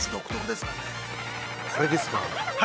◆これですか？